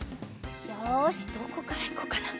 よしどこからいこうかな。